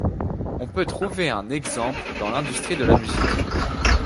On peut trouver un exemple dans l'industrie de la musique.